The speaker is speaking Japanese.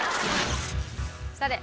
さて。